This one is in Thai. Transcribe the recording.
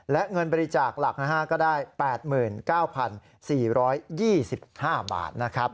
และเงินบริจาคหลักนะฮะก็ได้๘๙๔๒๕บาทนะครับ